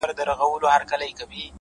د ملا لوري نصيحت مه كوه -